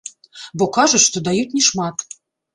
Бо кажуць, што даюць не шмат.